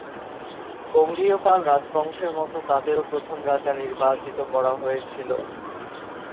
বঙ্গীয় পাল রাজবংশের মত তাদেরও প্রথম রাজা নির্বাচিত করা হয়েছিল।